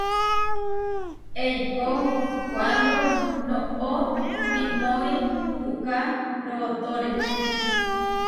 Eikó kuándo noʼó iʼnói puʼká rootóre.